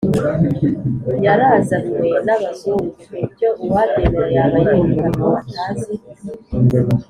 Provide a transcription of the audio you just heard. yarazanywe n'abazungu. ibyo uwabyemera, yaba yerekana ko atazi